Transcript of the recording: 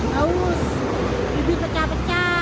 haus bibit pecah pecah